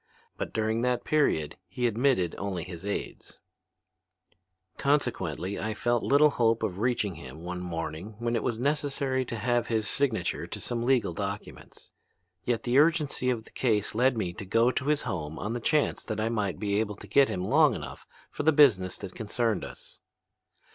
But during that period he admitted only his aids. "Consequently I felt little hope of reaching him one morning when it was necessary to have his signature to some legal documents. Yet the urgency of the case led me to go to his home on the chance that I might be able to get him long enough for the business that concerned us.